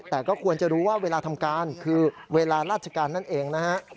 แต่ก็ควรจะรู้ว่าเวลาทำการคือเวลาราชการนั่นเองนะฮะ